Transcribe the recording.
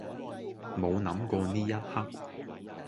冇諗過呢一刻